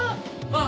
あっ。